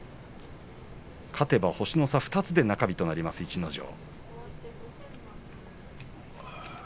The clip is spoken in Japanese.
勝てば星の差、２つで中日となる逸ノ城。